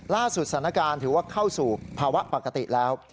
สถานการณ์ถือว่าเข้าสู่ภาวะปกติแล้ว